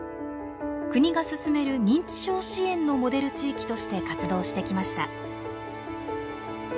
国が進める認知症支援のモデル地域として活動してきました。